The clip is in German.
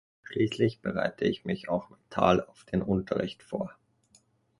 Schließlich bereite ich mich auch mental auf den Unterricht vor.